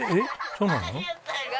そうなの？